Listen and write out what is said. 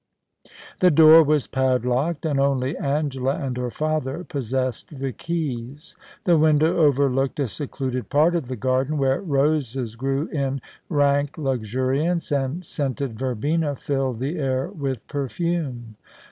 The door was padlocked, and only Angela and her father possessed the keys. The window overlooked a secluded part of the garden, where roses grew in rank luxuriance and scented verbena filled the air with perfume.